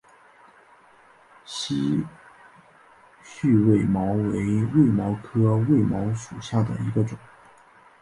稀序卫矛为卫矛科卫矛属下的一个种。